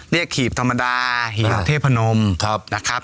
หีบธรรมดาหีบเทพนมนะครับ